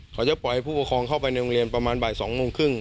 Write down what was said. เขาจะปล่อยผู้ปกครองเข้าไปในโรงเรียนประมาณบ่าย๒โมงครึ่ง